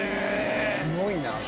すごいな。